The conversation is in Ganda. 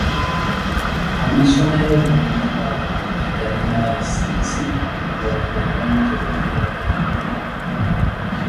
Amasomero gonna gaalaga nti galina layisinsi wadde abamu tebaagiraga.